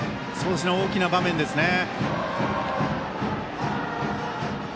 大きな場面ですね。